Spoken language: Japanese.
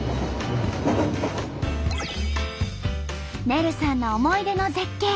ねるさんの思い出の絶景。